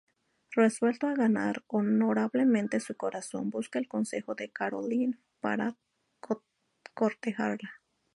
Resuelto a ganar honorablemente su corazón, busca el consejo de Carolyn para cortejarla.